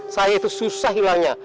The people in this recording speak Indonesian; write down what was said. saya itu susah hilangnya